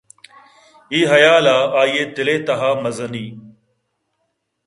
اے حیالءَ آئی ءِ دل ءِ تہا مزنی